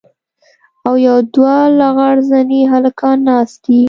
او يو دوه لغړ زني هلکان ناست دي.